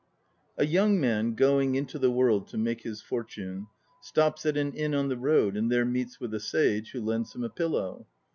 A YOUNG man, going into the world to make his fortune, stops at an inn on the road and there meets with a sage, who lends him a pillow.